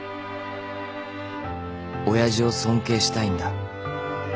［親父を尊敬したいんだ］